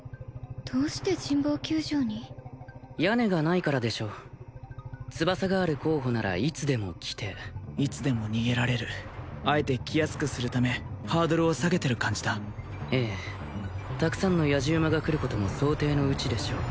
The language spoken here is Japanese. どうして神保球場に？屋根がないからでしょう翼がある候補ならいつでも来ていつでも逃げられるあえて来やすくするためハードルを下げてる感じだええたくさんのやじ馬が来ることも想定の内でしょう